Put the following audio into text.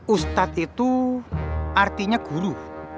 ustadz itu artinya guru